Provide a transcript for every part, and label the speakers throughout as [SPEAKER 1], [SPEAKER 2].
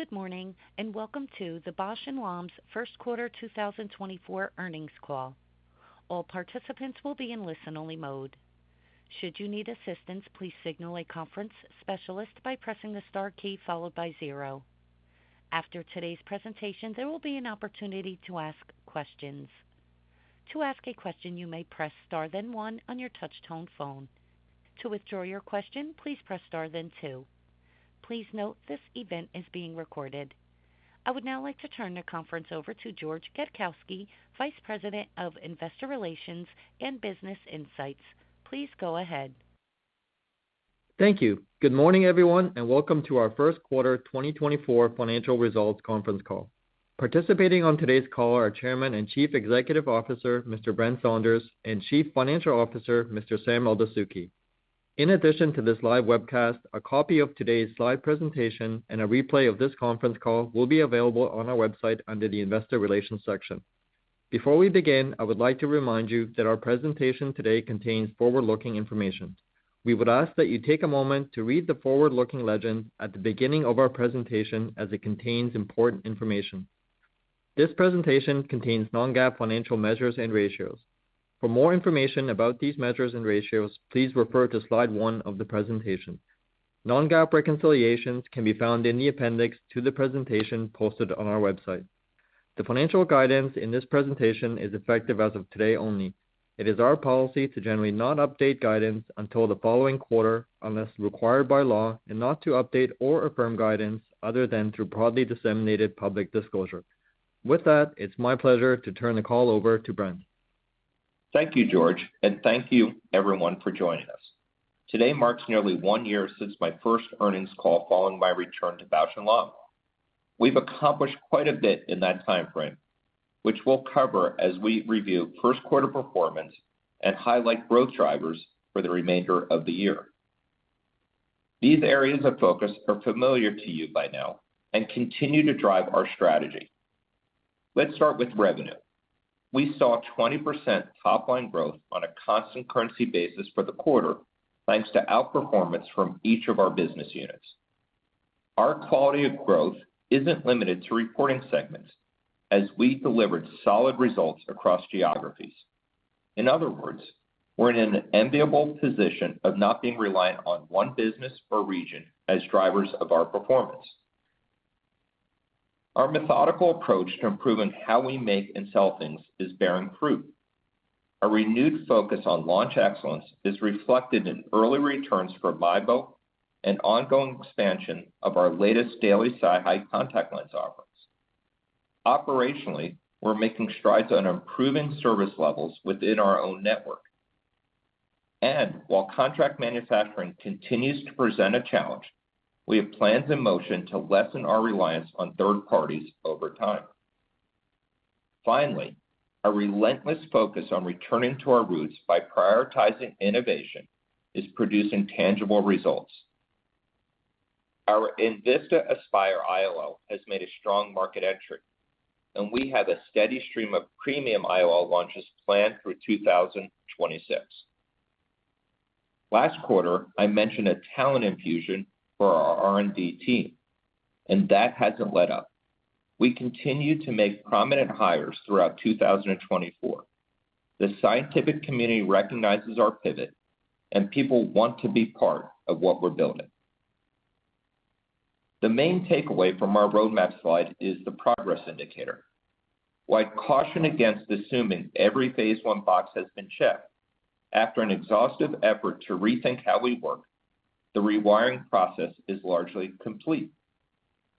[SPEAKER 1] Good morning, and welcome to the Bausch + Lomb's First Quarter 2024 earnings call. All participants will be in listen-only mode. Should you need assistance, please signal a conference specialist by pressing the star key followed by zero. After today's presentation, there will be an opportunity to ask questions. To ask a question, you may press Star then one on your touchtone phone. To withdraw your question, please press Star then two. Please note, this event is being recorded. I would now like to turn the conference over to George Gadkowski, Vice President of Investor Relations and Business Insights. Please go ahead.
[SPEAKER 2] Thank you. Good morning, everyone, and welcome to our first quarter 2024 financial results conference call. Participating on today's call are Chairman and Chief Executive Officer, Mr. Brent Saunders, and Chief Financial Officer, Mr. Sam Eldessouky. In addition to this live webcast, a copy of today's slide presentation and a replay of this conference call will be available on our website under the Investor Relations section. Before we begin, I would like to remind you that our presentation today contains forward-looking information. We would ask that you take a moment to read the forward-looking legend at the beginning of our presentation, as it contains important information. This presentation contains non-GAAP financial measures and ratios. For more information about these measures and ratios, please refer to slide one of the presentation. Non-GAAP reconciliations can be found in the appendix to the presentation posted on our website. The financial guidance in this presentation is effective as of today only. It is our policy to generally not update guidance until the following quarter, unless required by law, and not to update or affirm guidance other than through broadly disseminated public disclosure. With that, it's my pleasure to turn the call over to Brent.
[SPEAKER 3] Thank you, George, and thank you everyone for joining us. Today marks nearly one year since my first earnings call following my return to Bausch + Lomb. We've accomplished quite a bit in that timeframe, which we'll cover as we review first quarter performance and highlight growth drivers for the remainder of the year. These areas of focus are familiar to you by now and continue to drive our strategy. Let's start with revenue. We saw 20% top-line growth on a constant currency basis for the quarter, thanks to outperformance from each of our business units. Our quality of growth isn't limited to reporting segments as we delivered solid results across geographies. In other words, we're in an enviable position of not being reliant on one business or region as drivers of our performance. Our methodical approach to improving how we make and sell things is bearing fruit. A renewed focus on launch excellence is reflected in early returns for MIEBO and ongoing expansion of our latest daily SiHy contact lens offerings. Operationally, we're making strides on improving service levels within our own network. While contract manufacturing continues to present a challenge, we have plans in motion to lessen our reliance on third parties over time. Finally, a relentless focus on returning to our roots by prioritizing innovation is producing tangible results. Our enVista Aspire IOL has made a strong market entry, and we have a steady stream of premium IOL launches planned through 2026. Last quarter, I mentioned a talent infusion for our R&D team, and that hasn't let up. We continue to make prominent hires throughout 2024. The scientific community recognizes our pivot, and people want to be part of what we're building. The main takeaway from our roadmap slide is the progress indicator. While caution against assuming every phase I box has been checked, after an exhaustive effort to rethink how we work, the rewiring process is largely complete.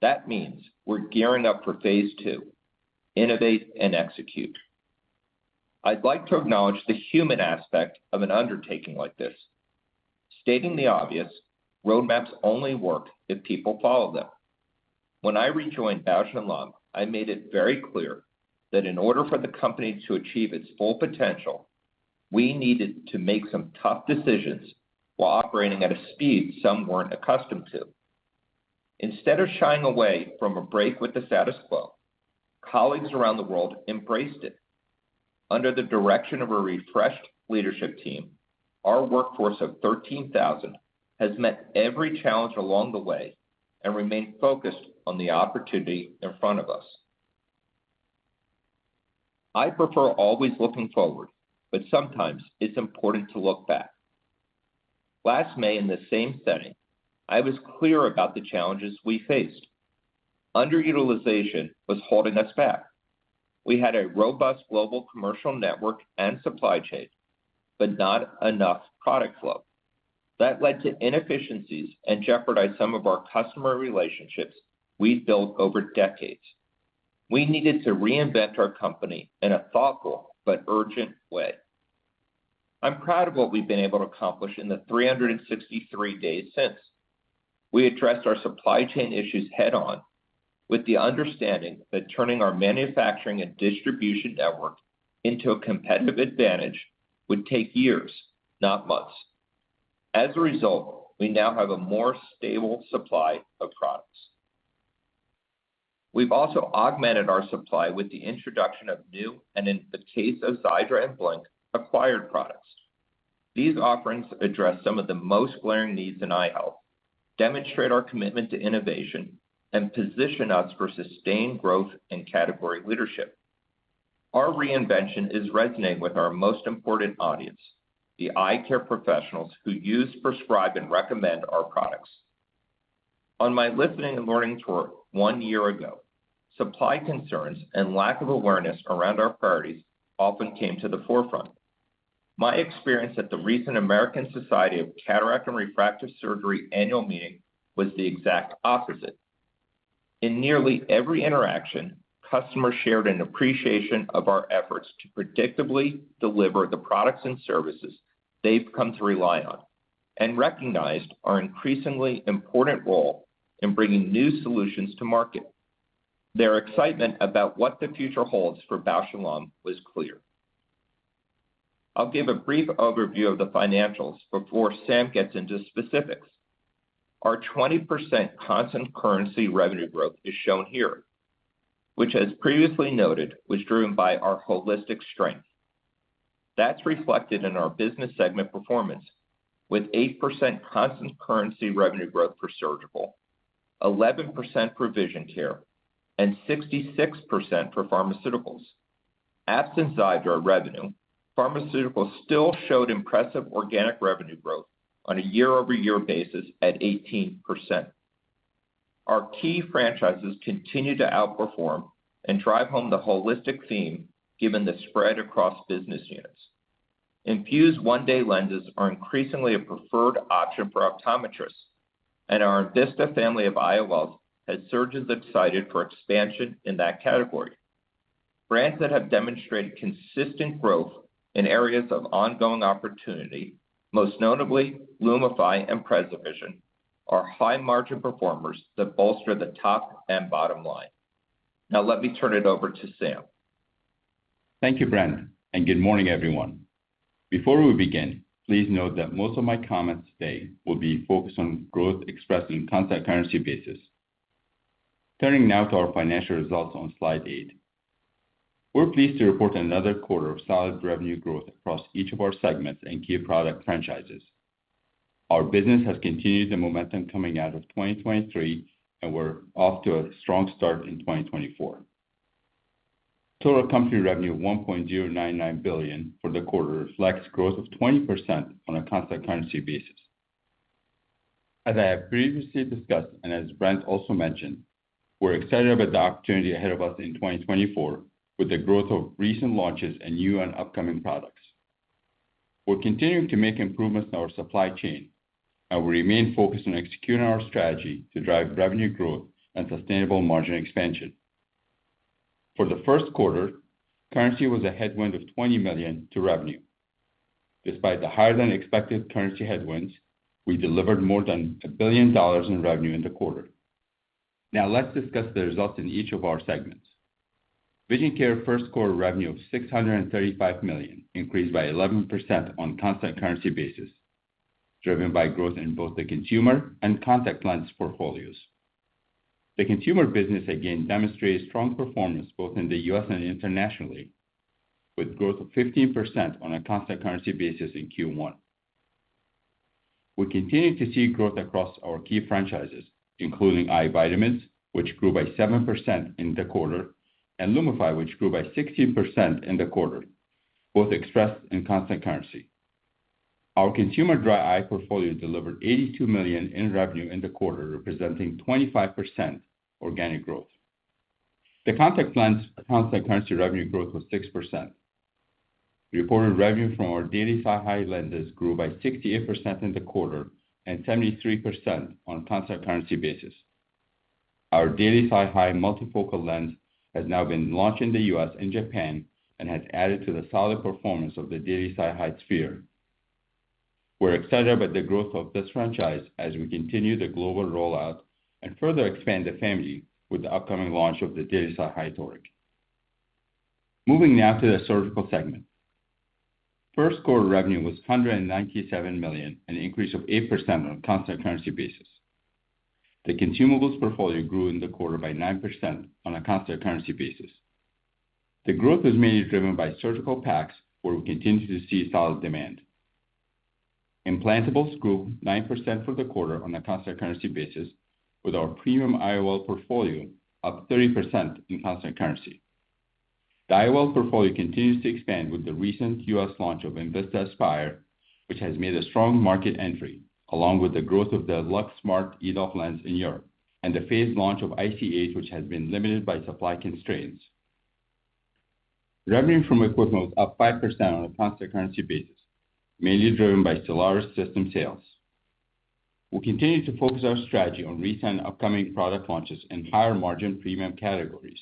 [SPEAKER 3] That means we're gearing up for phase II, innovate and execute. I'd like to acknowledge the human aspect of an undertaking like this. Stating the obvious, roadmaps only work if people follow them. When I rejoined Bausch + Lomb, I made it very clear that in order for the company to achieve its full potential, we needed to make some tough decisions while operating at a speed some weren't accustomed to. Instead of shying away from a break with the status quo, colleagues around the world embraced it. Under the direction of a refreshed leadership team, our workforce of 13,000 has met every challenge along the way and remained focused on the opportunity in front of us. I prefer always looking forward, but sometimes it's important to look back. Last May, in the same setting, I was clear about the challenges we faced. Underutilization was holding us back. We had a robust global commercial network and supply chain, but not enough product flow. That led to inefficiencies and jeopardized some of our customer relationships we've built over decades. We needed to reinvent our company in a thoughtful but urgent way. I'm proud of what we've been able to accomplish in the 363 days since. We addressed our supply chain issues head-on, with the understanding that turning our manufacturing and distribution network into a competitive advantage would take years, not months. As a result, we now have a more stable supply of products. We've also augmented our supply with the introduction of new, and in the case of Xiidra and Blink, acquired products. These offerings address some of the most glaring needs in eye health, demonstrate our commitment to innovation, and position us for sustained growth and category leadership. Our reinvention is resonating with our most important audience, the eye care professionals who use, prescribe, and recommend our products. On my listening and learning tour one year ago, supply concerns and lack of awareness around our priorities often came to the forefront. My experience at the recent American Society of Cataract and Refractive Surgery annual meeting was the exact opposite. In nearly every interaction, customers shared an appreciation of our efforts to predictably deliver the products and services they've come to rely on, and recognized our increasingly important role in bringing new solutions to market. Their excitement about what the future holds for Bausch + Lomb was clear. I'll give a brief overview of the financials before Sam gets into specifics. Our 20% constant currency revenue growth is shown here, which, as previously noted, was driven by our holistic strength. That's reflected in our business segment performance, with 8% constant currency revenue growth for surgical, 11% for vision care, and 66% for pharmaceuticals. Absent Xiidra revenue, pharmaceuticals still showed impressive organic revenue growth on a year-over-year basis at 18%. Our key franchises continue to outperform and drive home the holistic theme, given the spread across business units. INFUSE one-day lenses are increasingly a preferred option for optometrists, and our enVista family of IOLs has surgeons excited for expansion in that category. Brands that have demonstrated consistent growth in areas of ongoing opportunity, most notably Lumify and PreserVision, are high-margin performers that bolster the top and bottom line. Now let me turn it over to Sam.
[SPEAKER 4] Thank you, Brent, and good morning, everyone. Before we begin, please note that most of my comments today will be focused on growth expressed in constant currency basis. Turning now to our financial results on slide eight. We're pleased to report another quarter of solid revenue growth across each of our segments and key product franchises. Our business has continued the momentum coming out of 2023, and we're off to a strong start in 2024. Total company revenue of $1.099 billion for the quarter reflects growth of 20% on a constant currency basis. As I have previously discussed, and as Brent also mentioned, we're excited about the opportunity ahead of us in 2024 with the growth of recent launches and new and upcoming products. We're continuing to make improvements in our supply chain, and we remain focused on executing our strategy to drive revenue growth and sustainable margin expansion. For the first quarter, currency was a headwind of $20 million to revenue. Despite the higher-than-expected currency headwinds, we delivered more than $1 billion in revenue in the quarter. Now let's discuss the results in each of our segments. Vision Care first quarter revenue of $635 million increased by 11% on a constant currency basis, driven by growth in both the consumer and contact lens portfolios. The consumer business again demonstrated strong performance both in the U.S. and internationally, with growth of 15% on a constant currency basis in Q1. We continue to see growth across our key franchises, including eye vitamins, which grew by 7% in the quarter, and Lumify, which grew by 16% in the quarter, both expressed in constant currency. Our consumer dry eye portfolio delivered $82 million in revenue in the quarter, representing 25% organic growth. The contact lens constant currency revenue growth was 6%. Reported revenue from our daily SiHy lenses grew by 68% in the quarter and 73% on a constant currency basis. Our daily SiHy multifocal lens has now been launched in the U.S. and Japan and has added to the solid performance of the daily SiHy sphere. We're excited about the growth of this franchise as we continue the global rollout and further expand the family with the upcoming launch of the daily SiHy Toric. Moving now to the surgical segment. First quarter revenue was $197 million, an increase of 8% on a constant currency basis. The consumables portfolio grew in the quarter by 9% on a constant currency basis. The growth was mainly driven by surgical packs, where we continue to see solid demand. Implantables grew 9% for the quarter on a constant currency basis, with our premium IOL portfolio up 30% in constant currency. The IOL portfolio continues to expand with the recent U.S. launch of enVista, which has made a strong market entry, along with the growth of the LuxSmart EDOF lens in Europe, and the phased launch of IC-8, which has been limited by supply constraints. Revenue from equipment was up 5% on a constant currency basis, mainly driven by Stellaris system sales. We continue to focus our strategy on recent upcoming product launches and higher-margin premium categories.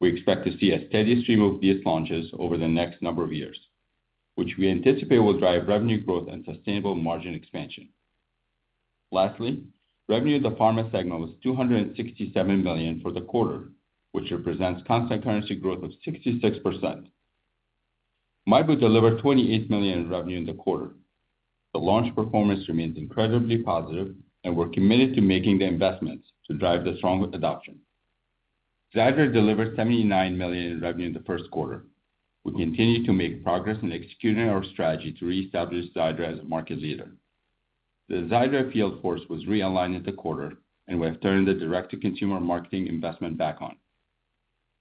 [SPEAKER 4] We expect to see a steady stream of these launches over the next number of years, which we anticipate will drive revenue growth and sustainable margin expansion. Lastly, revenue of the pharma segment was $267 million for the quarter, which represents constant currency growth of 66%.... MIEBO delivered $28 million in revenue in the quarter. The launch performance remains incredibly positive, and we're committed to making the investments to drive the strong adoption. Xiidra delivered $79 million in revenue in the first quarter. We continue to make progress in executing our strategy to reestablish Xiidra as a market leader. The Xiidra field force was realigned in the quarter, and we have turned the direct-to-consumer marketing investment back on.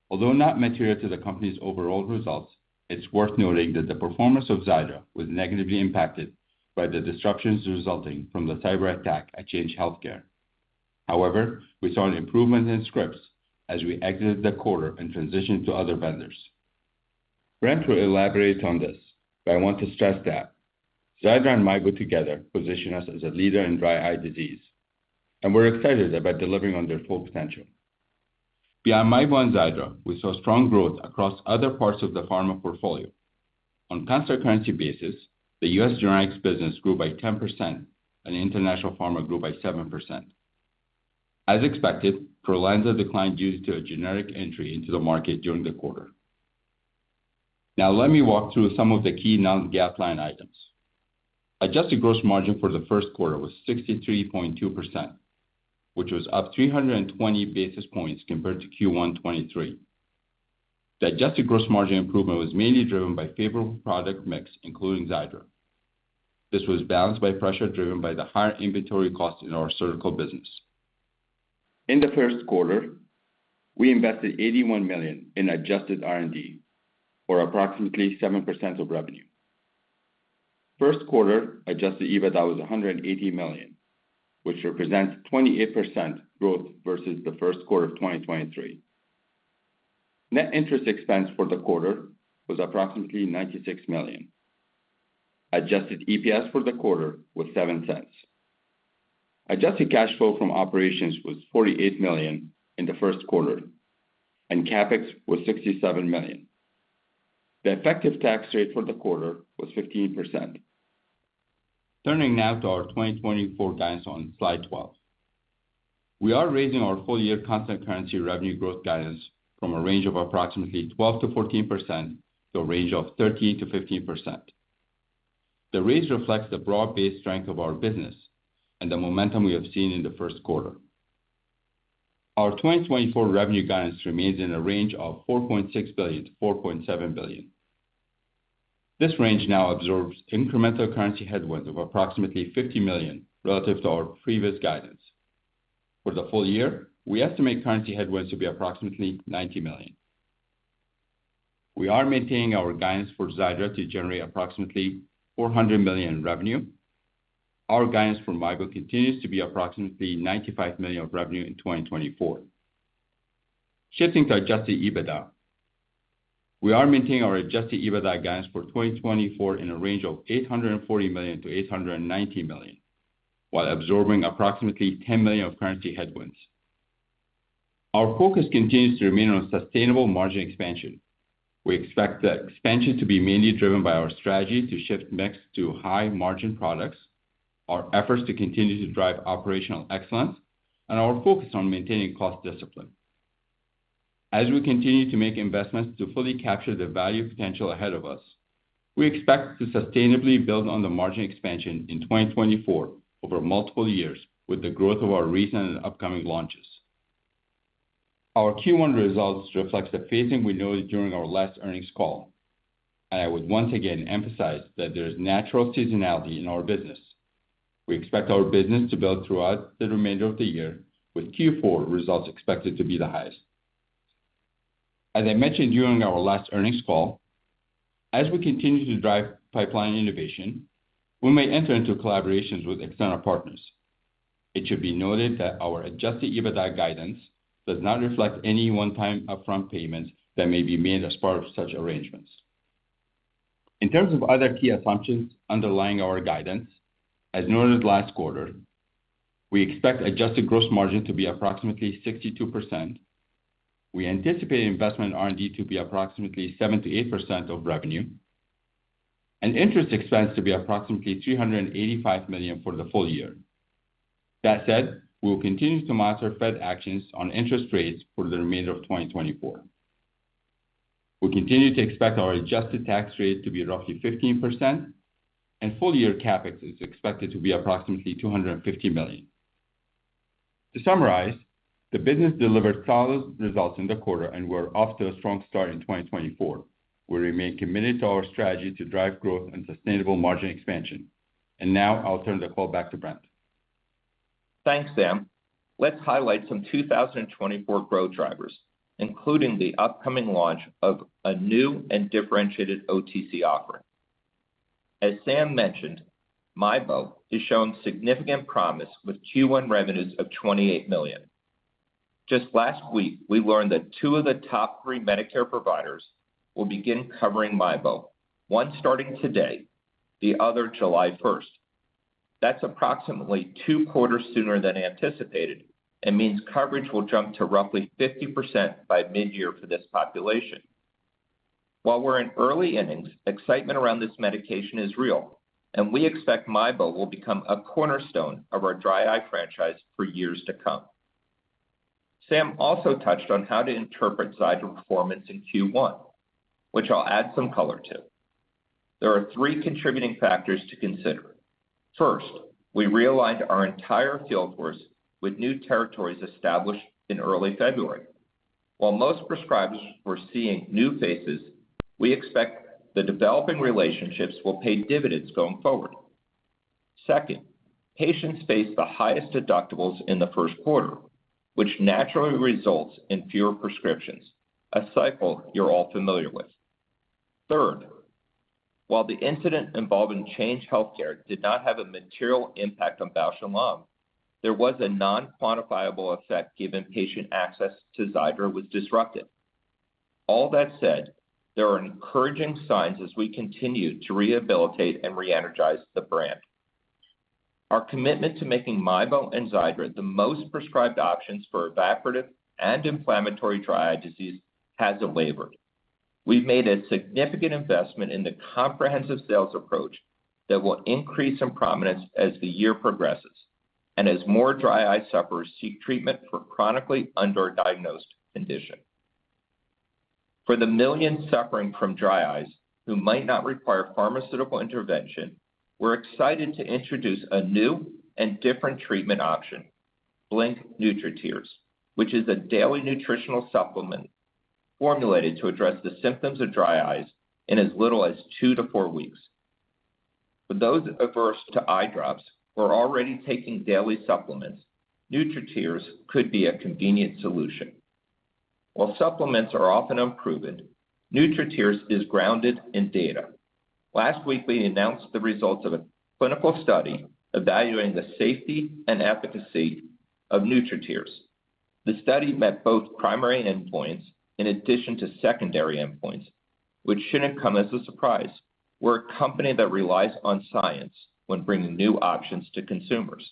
[SPEAKER 4] Although not material to the company's overall results, it's worth noting that the performance of Xiidra was negatively impacted by the disruptions resulting from the cyberattack at Change Healthcare. However, we saw an improvement in scripts as we exited the quarter and transitioned to other vendors. Brent will elaborate on this, but I want to stress that Xiidra and MIEBO together position us as a leader in dry eye disease, and we're excited about delivering on their full potential. Beyond MIEBO and Xiidra, we saw strong growth across other parts of the pharma portfolio. On constant currency basis, the U.S. generics business grew by 10% and the international pharma grew by 7%. As expected, PROLENSA declined due to a generic entry into the market during the quarter. Now, let me walk through some of the key non-GAAP line items. Adjusted gross margin for the first quarter was 63.2%, which was up 320 basis points compared to Q1 2023. The adjusted gross margin improvement was mainly driven by favorable product mix, including Xiidra. This was balanced by pressure driven by the higher inventory costs in our surgical business. In the first quarter, we invested $81 million in adjusted R&D, or approximately 7% of revenue. First quarter adjusted EBITDA was $180 million, which represents 28% growth versus the first quarter of 2023. Net interest expense for the quarter was approximately $96 million. Adjusted EPS for the quarter was $0.07. Adjusted cash flow from operations was $48 million in the first quarter, and CapEx was $67 million. The effective tax rate for the quarter was 15%. Turning now to our 2024 guidance on slide 12. We are raising our full-year Constant Currency revenue growth guidance from a range of approximately 12%-14% to a range of 13%-15%. The raise reflects the broad-based strength of our business and the momentum we have seen in the first quarter. Our 2024 revenue guidance remains in a range of $4.6 billion-$4.7 billion. This range now absorbs incremental currency headwinds of approximately $50 million relative to our previous guidance. For the full-year, we estimate currency headwinds to be approximately $90 million. We are maintaining our guidance for Xiidra to generate approximately $400 million in revenue. Our guidance for MIEBO continues to be approximately $95 million of revenue in 2024. Shifting to Adjusted EBITDA. We are maintaining our Adjusted EBITDA guidance for 2024 in a range of $840 million-$890 million, while absorbing approximately $10 million of currency headwinds. Our focus continues to remain on sustainable margin expansion. We expect the expansion to be mainly driven by our strategy to shift mix to high-margin products, our efforts to continue to drive operational excellence, and our focus on maintaining cost discipline. As we continue to make investments to fully capture the value potential ahead of us, we expect to sustainably build on the margin expansion in 2024 over multiple years with the growth of our recent and upcoming launches. Our Q1 results reflects the phasing we noted during our last earnings call, and I would once again emphasize that there is natural seasonality in our business. We expect our business to build throughout the remainder of the year, with Q4 results expected to be the highest. As I mentioned during our last earnings call, as we continue to drive pipeline innovation, we may enter into collaborations with external partners. It should be noted that our Adjusted EBITDA guidance does not reflect any one-time upfront payments that may be made as part of such arrangements. In terms of other key assumptions underlying our guidance, as noted last quarter, we expect adjusted gross margin to be approximately 62%. We anticipate investment in R&D to be approximately 7%-8% of revenue and interest expense to be approximately $385 million for the full-year. That said, we will continue to monitor Fed actions on interest rates for the remainder of 2024. We continue to expect our adjusted tax rate to be roughly 15%, and full-year CapEx is expected to be approximately $250 million. To summarize, the business delivered solid results in the quarter, and we're off to a strong start in 2024. We remain committed to our strategy to drive growth and sustainable margin expansion. Now I'll turn the call back to Brent.
[SPEAKER 3] Thanks, Sam. Let's highlight some 2024 growth drivers, including the upcoming launch of a new and differentiated OTC offering. As Sam mentioned, MIEBO is showing significant promise with Q1 revenues of $28 million. Just last week, we learned that two of the top three Medicare providers will begin covering MIEBO, one starting today, the other July 1st. That's approximately two quarters sooner than anticipated and means coverage will jump to roughly 50% by midyear for this population. While we're in early innings, excitement around this medication is real, and we expect MIEBO will become a cornerstone of our dry eye franchise for years to come....Sam also touched on how to interpret Xiidra performance in Q1, which I'll add some color to. There are three contributing factors to consider. First, we realigned our entire field force with new territories established in early February. While most prescribers were seeing new faces, we expect the developing relationships will pay dividends going forward. Second, patients face the highest deductibles in the first quarter, which naturally results in fewer prescriptions, a cycle you're all familiar with. Third, while the incident involving Change Healthcare did not have a material impact on Bausch + Lomb, there was a non-quantifiable effect given patient access to Xiidra was disrupted. All that said, there are encouraging signs as we continue to rehabilitate and reenergize the brand. Our commitment to making MIEBO and Xiidra the most prescribed options for evaporative and inflammatory dry eye disease hasn't wavered. We've made a significant investment in the comprehensive sales approach that will increase in prominence as the year progresses and as more dry eye sufferers seek treatment for chronically underdiagnosed condition. For the millions suffering from dry eyes who might not require pharmaceutical intervention, we're excited to introduce a new and different treatment option, Blink NutriTears, which is a daily nutritional supplement formulated to address the symptoms of dry eyes in as little as two to four weeks. For those averse to eye drops who are already taking daily supplements, NutriTears could be a convenient solution. While supplements are often unproven, NutriTears is grounded in data. Last week, we announced the results of a clinical study evaluating the safety and efficacy of NutriTears. The study met both primary endpoints in addition to secondary endpoints, which shouldn't come as a surprise. We're a company that relies on science when bringing new options to consumers.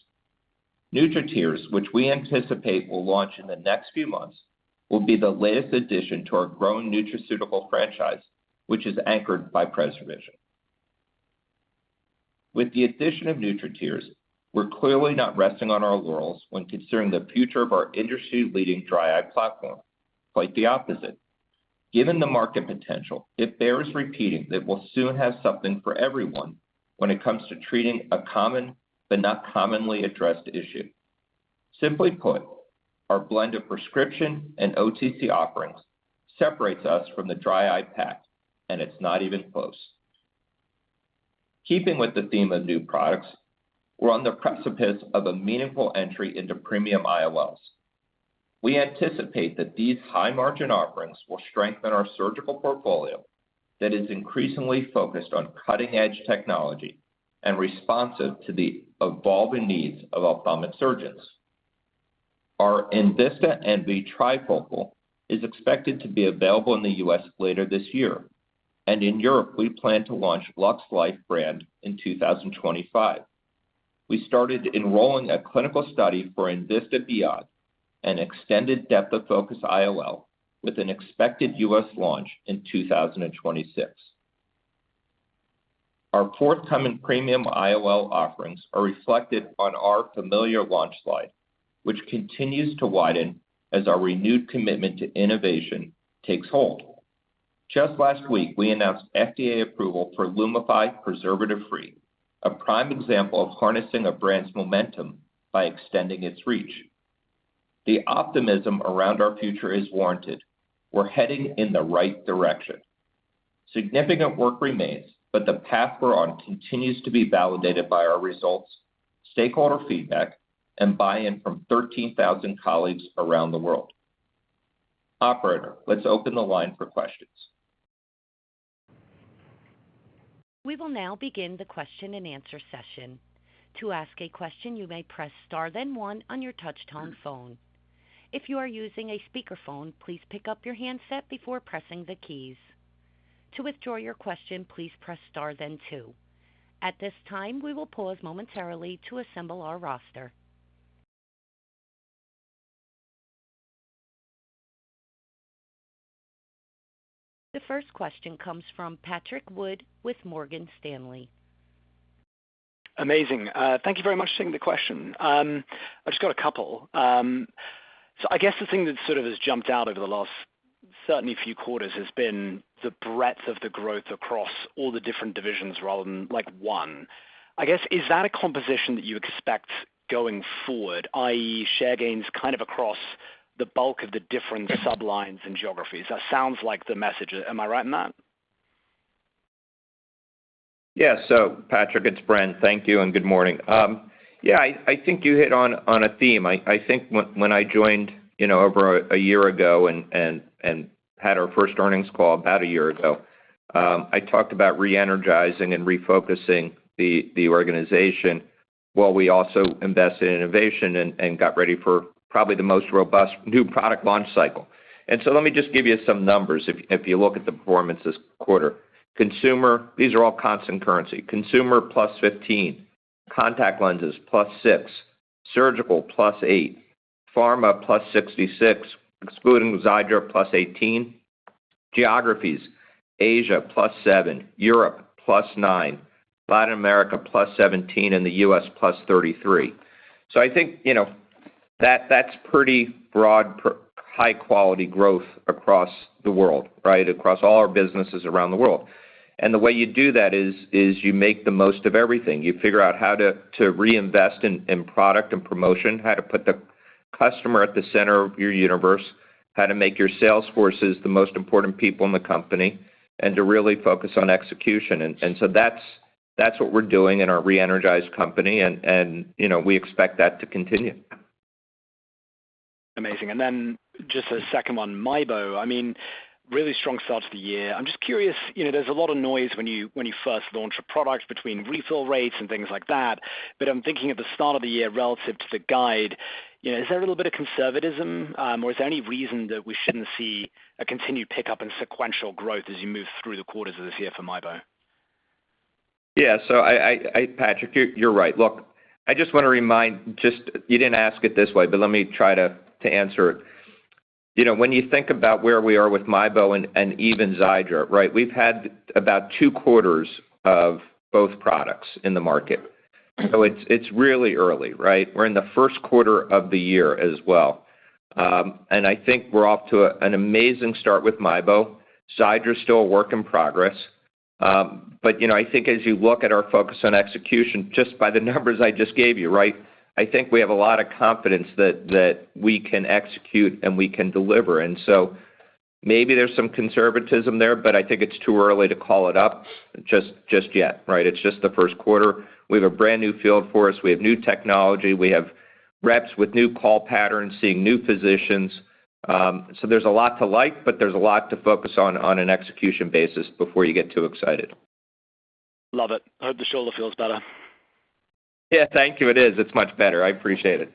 [SPEAKER 3] NutriTears, which we anticipate will launch in the next few months, will be the latest addition to our growing nutraceutical franchise, which is anchored by PreserVision. With the addition of NutriTears, we're clearly not resting on our laurels when considering the future of our industry-leading dry eye platform. Quite the opposite. Given the market potential, it bears repeating that we'll soon have something for everyone when it comes to treating a common but not commonly addressed issue. Simply put, our blend of prescription and OTC offerings separates us from the dry eye pack, and it's not even close. Keeping with the theme of new products, we're on the precipice of a meaningful entry into premium IOLs. We anticipate that these high-margin offerings will strengthen our surgical portfolio that is increasingly focused on cutting-edge technology and responsive to the evolving needs of ophthalmic surgeons. Our enVista Envy trifocal is expected to be available in the U.S. later this year, and in Europe, we plan to launch LuxLife in 2025. We started enrolling a clinical study for enVista Beyond, an extended depth of focus IOL, with an expected U.S. launch in 2026. Our forthcoming premium IOL offerings are reflected on our familiar launch slide, which continues to widen as our renewed commitment to innovation takes hold. Just last week, we announced FDA approval for Lumify Preservative Free, a prime example of harnessing a brand's momentum by extending its reach. The optimism around our future is warranted. We're heading in the right direction. Significant work remains, but the path we're on continues to be validated by our results, stakeholder feedback, and buy-in from 13,000 colleagues around the world. Operator, let's open the line for questions.
[SPEAKER 1] We will now begin the question-and-answer session. To ask a question, you may press Star, then one on your touchtone phone. If you are using a speakerphone, please pick up your handset before pressing the keys. To withdraw your question, please press star then two. At this time, we will pause momentarily to assemble our roster. The first question comes from Patrick Wood with Morgan Stanley.
[SPEAKER 5] Amazing. Thank you very much for taking the question. I just got a couple. So I guess the thing that sort of has jumped out over the last certainly few quarters has been the breadth of the growth across all the different divisions rather than, like, one. I guess, is that a composition that you expect going forward, i.e., share gains kind of across the bulk of the different sublines and geographies? That sounds like the message. Am I right in that?
[SPEAKER 3] Yeah. So, Patrick, it's Brent. Thank you, and good morning. Yeah, I think you hit on a theme. I think when I joined, you know, over a year ago and had our first earnings call about a year ago, I talked about reenergizing and refocusing the organization, while we also invested in innovation and got ready for probably the most robust new product launch cycle. So let me just give you some numbers if you look at the performance this quarter. Consumer. These are all Constant Currency. Consumer, +15%; contact lenses, +6%; surgical, +8%; pharma, +66%, excluding Xiidra, +18%. Geographies, Asia +7%, Europe +9%, Latin America +17%, and the U.S. +33%. So I think, you know, that that's pretty broad, high quality growth across the world, right? Across all our businesses around the world. And the way you do that is you make the most of everything. You figure out how to reinvest in product and promotion, how to put the customer at the center of your universe, how to make your sales forces the most important people in the company, and to really focus on execution. And so that's what we're doing in our re-energized company, and you know, we expect that to continue.
[SPEAKER 5] Amazing. And then just a second one, MIEBO, I mean, really strong start to the year. I'm just curious, you know, there's a lot of noise when you, when you first launch a product between refill rates and things like that, but I'm thinking at the start of the year relative to the guide, you know, is there a little bit of conservatism, or is there any reason that we shouldn't see a continued pickup in sequential growth as you move through the quarters of this year for MIEBO?
[SPEAKER 3] Yeah. So, Patrick, you're right. Look, I just wanna remind, just... You didn't ask it this way, but let me try to answer it. You know, when you think about where we are with MIEBO and even Xiidra, right? We've had about two quarters of both products in the market. So it's really early, right? We're in the first quarter of the year as well. And I think we're off to an amazing start with MIEBO. Xiidra is still a work in progress. But you know, I think as you look at our focus on execution, just by the numbers I just gave you, right, I think we have a lot of confidence that we can execute and we can deliver. And so maybe there's some conservatism there, but I think it's too early to call it up just yet, right? It's just the first quarter. We have a brand new field force. We have new technology. We have reps with new call patterns, seeing new physicians. So there's a lot to like, but there's a lot to focus on an execution basis before you get too excited.
[SPEAKER 5] Love it. I hope the shoulder feels better.
[SPEAKER 3] Yeah, thank you. It is. It's much better. I appreciate it.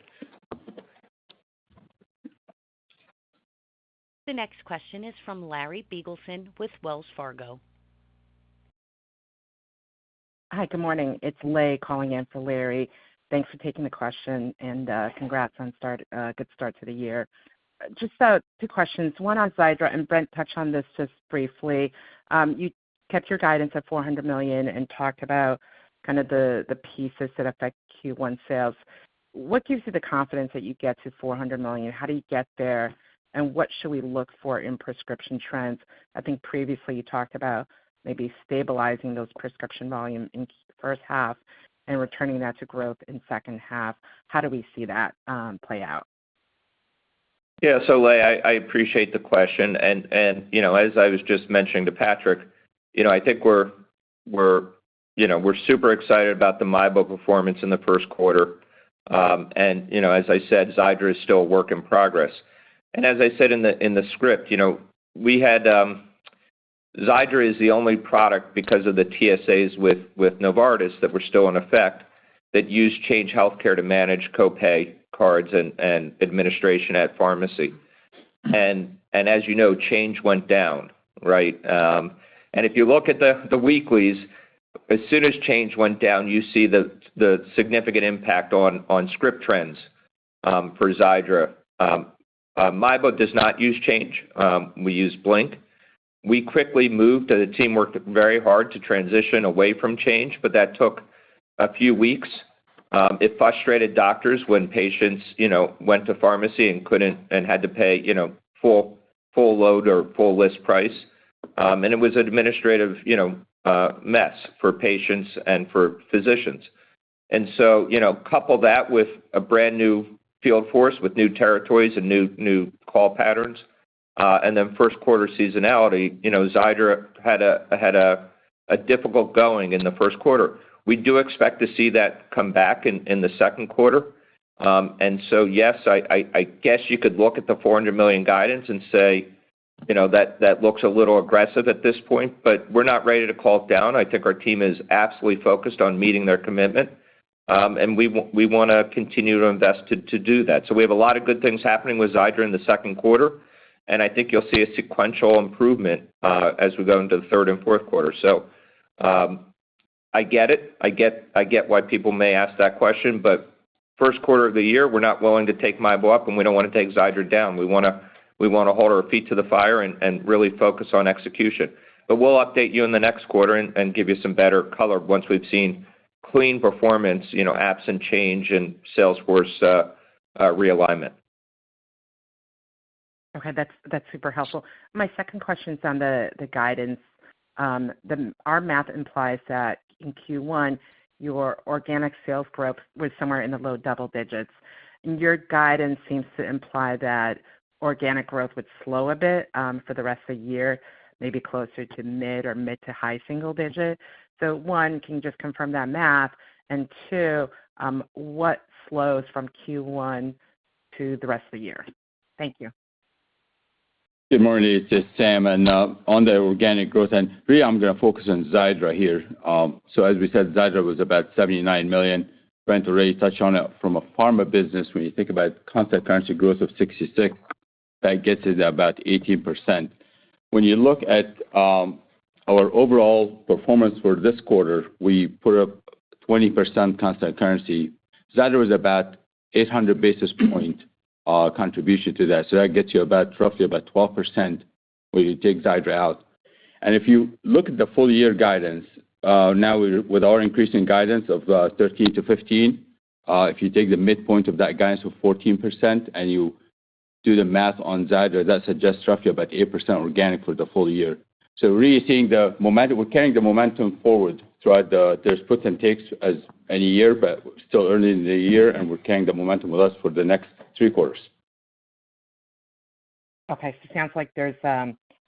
[SPEAKER 1] The next question is from Larry Biegelsen with Wells Fargo.
[SPEAKER 6] Hi, good morning. It's Lei calling in for Larry. Thanks for taking the question, and congrats on start, good start to the year. Just two questions, one on Xiidra, and Brent touched on this just briefly. You kept your guidance at $400 million and talked about kind of the, the pieces that affect Q1 sales. What gives you the confidence that you get to $400 million? How do you get there, and what should we look for in prescription trends? I think previously you talked about maybe stabilizing those prescription volumes in the first half and returning that to growth in second half. How do we see that play out?
[SPEAKER 3] Yeah. So, Lei, I appreciate the question, and you know, as I was just mentioning to Patrick, you know, I think we're super excited about the MIEBO performance in the first quarter. And you know, as I said, Xiidra is still a work in progress. And as I said in the script, you know, Xiidra is the only product, because of the TSAs with Novartis that were still in effect, that use Change Healthcare to manage co-pay cards and administration at pharmacy. And as you know, Change went down, right? And if you look at the weeklies, as soon as Change went down, you see the significant impact on script trends for Xiidra. MIEBO does not use Change. We use Blink. We quickly moved, and the team worked very hard to transition away from Change, but that took a few weeks. It frustrated doctors when patients, you know, went to pharmacy and couldn't, and had to pay, you know, full load or full list price. And it was an administrative, you know, mess for patients and for physicians. And so, you know, couple that with a brand new field force, with new territories and new call patterns, and then first quarter seasonality, you know, Xiidra had a difficult going in the first quarter. We do expect to see that come back in the second quarter. And so, yes, I guess you could look at the $400 million guidance and say, you know, that looks a little aggressive at this point, but we're not ready to call it down. I think our team is absolutely focused on meeting their commitment, and we wanna continue to invest to do that. So we have a lot of good things happening with Xiidra in the second quarter, and I think you'll see a sequential improvement as we go into the third and fourth quarter. So, I get it. I get why people may ask that question, but first quarter of the year, we're not willing to take MIEBO up, and we don't want to take Xiidra down. We wanna hold our feet to the fire and really focus on execution. But we'll update you in the next quarter and give you some better color once we've seen clean performance, you know, absent Change and sales force realignment.
[SPEAKER 6] Okay. That's, that's super helpful. My second question is on the guidance. Our math implies that in Q1, your organic sales growth was somewhere in the low double digits, and your guidance seems to imply that organic growth would slow a bit for the rest of the year, maybe closer to mid or mid- to high single digit. So one, can you just confirm that math? And two, what slows from Q1 to the rest of the year? Thank you.
[SPEAKER 4] Good morning, it's Sam. On the organic growth, and really I'm gonna focus on Xiidra here. So as we said, Xiidra was about $79 million. Brent already touched on it from a pharma business, when you think about constant currency growth of 66, that gets you to about 18%. When you look at our overall performance for this quarter, we put up 20% constant currency. Xiidra was about 800 basis points contribution to that. So that gets you about roughly about 12% when you take Xiidra out. And if you look at the full-year guidance, now with our increasing guidance of 13%-15%, if you take the midpoint of that guidance of 14% and you do the math on Xiidra, that suggests roughly about 8% organic for the full-year. We're really seeing the momentum. We're carrying the momentum forward throughout the... There's puts and takes as any year, but we're still early in the year, and we're carrying the momentum with us for the next three quarters.
[SPEAKER 6] Okay. Sounds like there's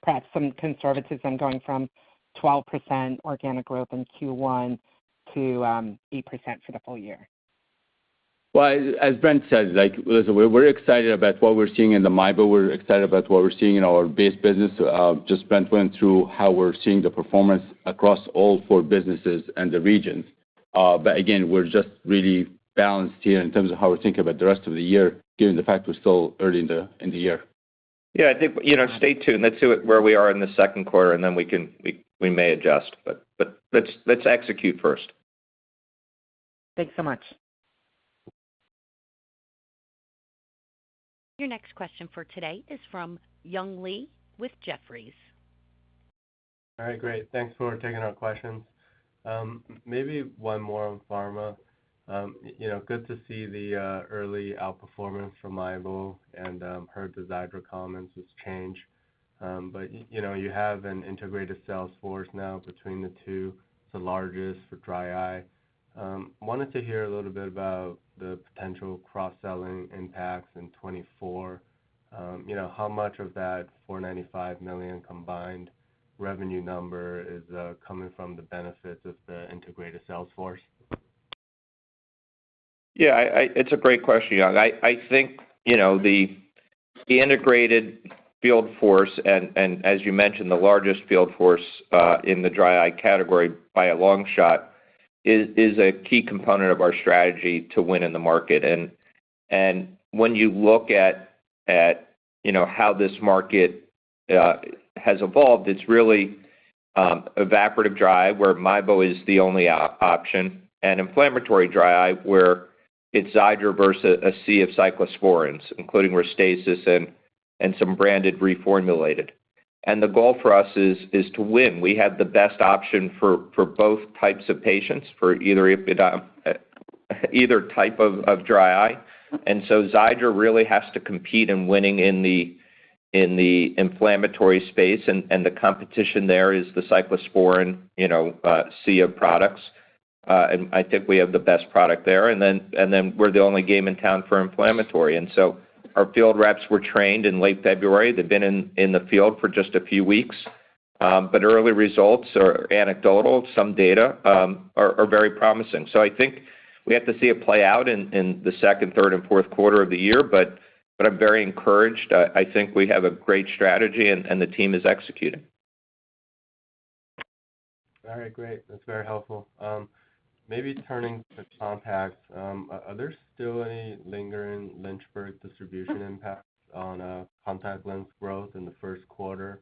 [SPEAKER 6] perhaps some conservatism going from 12% organic growth in Q1 to 8% for the full-year.
[SPEAKER 4] Well, as Brent said, like, listen, we're excited about what we're seeing in the MIEBO. We're excited about what we're seeing in our base business. Just Brent went through how we're seeing the performance across all four businesses and the regions. But again, we're just really balanced here in terms of how we're thinking about the rest of the year, given the fact we're still early in the year.
[SPEAKER 3] Yeah, I think, you know, stay tuned. Let's see where we are in the second quarter, and then we can- we, we may adjust. But, but let's, let's execute first.
[SPEAKER 6] Thanks so much.
[SPEAKER 1] Your next question for today is from Young Li with Jefferies.
[SPEAKER 7] All right, great. Thanks for taking our questions. Maybe one more on pharma. You know, good to see the early outperformance from MIEBO, and heard the Xiidra comments has changed. But, you know, you have an integrated sales force now between the two, the largest for dry eye. Wanted to hear a little bit about the potential cross-selling impacts in 2024. You know, how much of that $495 million combined revenue number is coming from the benefits of the integrated sales force?
[SPEAKER 3] Yeah, it's a great question, Young. I think, you know, the integrated field force and, as you mentioned, the largest field force in the dry eye category by a long shot, is a key component of our strategy to win in the market. And when you look at, you know, how this market has evolved, it's really evaporative dry eye, where MIEBO is the only option, and inflammatory dry eye, where it's Xiidra versus a sea of cyclosporines, including Restasis and some branded reformulated. And the goal for us is to win. We have the best option for both types of patients, for either type of dry eye. And so Xiidra really has to compete in winning in the inflammatory space, and the competition there is the cyclosporine, you know, sea of products. And I think we have the best product there, and then we're the only game in town for inflammatory. And so our field reps were trained in late February. They've been in the field for just a few weeks, but early results are anecdotal. Some data are very promising. So I think we have to see it play out in the second, third, and fourth quarter of the year, but I'm very encouraged. I think we have a great strategy, and the team is executing.
[SPEAKER 7] All right, great. That's very helpful. Maybe turning to contacts. Are there still any lingering Lynchburg distribution impacts on contact lens growth in the first quarter?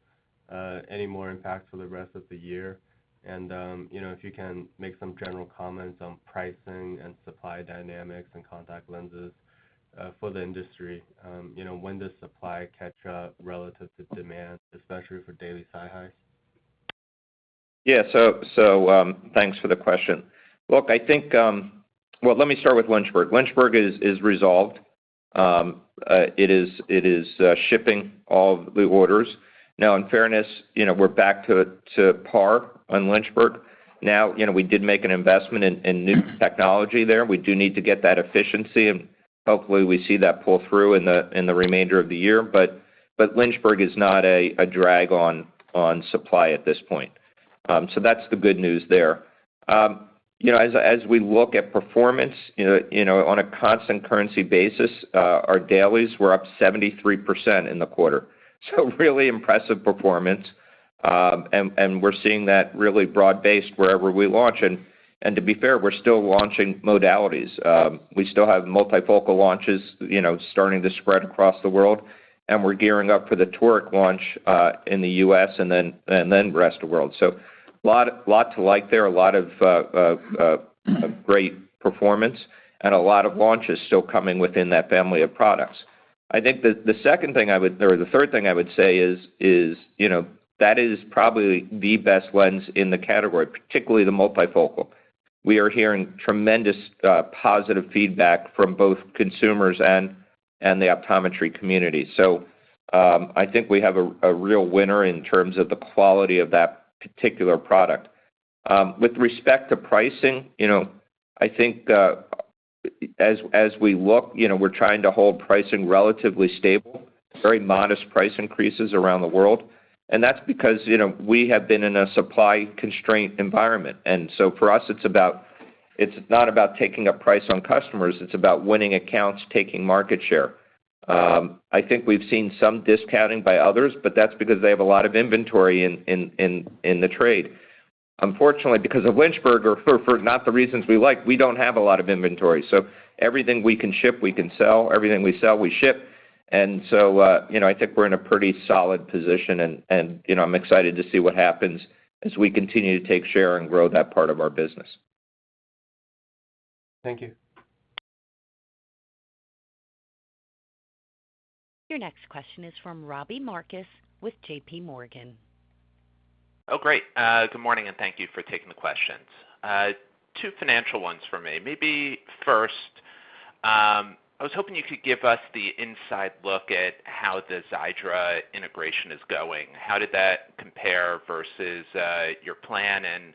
[SPEAKER 7] Any more impacts for the rest of the year? And you know, if you can make some general comments on pricing and supply dynamics and contact lenses for the industry. You know, when does supply catch up relative to demand, especially for daily SiHy?
[SPEAKER 3] Yeah, so, thanks for the question. Look, I think, well, let me start with Lynchburg. Lynchburg is resolved. It is shipping all the orders. Now, in fairness, you know, we're back to par on Lynchburg. Now, you know, we did make an investment in new technology there. We do need to get that efficiency, and hopefully, we see that pull through in the remainder of the year. But Lynchburg is not a drag on supply at this point. So that's the good news there. You know, as we look at performance, you know, on a constant currency basis, our dailies were up 73% in the quarter. So really impressive performance, and we're seeing that really broad-based wherever we launch. To be fair, we're still launching modalities. We still have multifocal launches, you know, starting to spread across the world, and we're gearing up for the Toric launch in the U.S., and then the rest of the world. So a lot to like there, a lot of great performance and a lot of launches still coming within that family of products. I think the second thing I would—or the third thing I would say is, you know, that is probably the best lens in the category, particularly the multifocal. We are hearing tremendous positive feedback from both consumers and the optometry community. So I think we have a real winner in terms of the quality of that particular product. With respect to pricing, you know, I think, as we look, you know, we're trying to hold pricing relatively stable, very modest price increases around the world. And that's because, you know, we have been in a supply-constrained environment, and so for us, it's about, it's not about taking a price on customers, it's about winning accounts, taking market share. I think we've seen some discounting by others, but that's because they have a lot of inventory in the trade. Unfortunately, because of Lynchburg or for not the reasons we like, we don't have a lot of inventory. So everything we can ship, we can sell, everything we sell, we ship. And so, you know, I think we're in a pretty solid position, and you know, I'm excited to see what happens as we continue to take share and grow that part of our business.
[SPEAKER 7] Thank you.
[SPEAKER 1] Your next question is from Robbie Marcus with JP Morgan.
[SPEAKER 8] Oh, great. Good morning, and thank you for taking the questions. Two financial ones for me. Maybe first, I was hoping you could give us the inside look at how the Xiidra integration is going. How did that compare versus your plan? And,